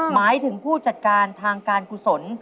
หมายถึงผู้จัดการทางการกุศล